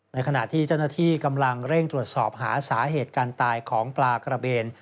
ขณะที่เจ้าหน้าที่กำลังเร่งตรวจสอบหาสาเหตุการตายของปลากระเบน